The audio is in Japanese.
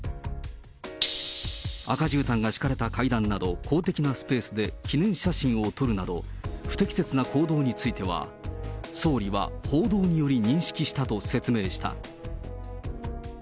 赤じゅうたんが敷かれた階段など公的なスペースで記念写真を撮るなど、不適切な行動については、総理は報道により認識したと説明した。